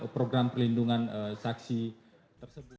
program pelindungan saksi tersebut